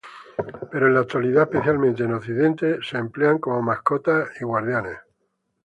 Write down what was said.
Pero en la actualidad, especialmente en Occidente, son empleados como mascotas y guardianes.